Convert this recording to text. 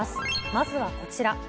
まずはこちら。